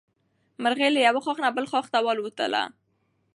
مرغۍ له یو ښاخ نه بل ته والوتله.